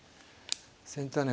先手はね